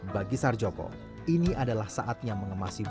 bagi sarjoko ini adalah saatnya mengemasi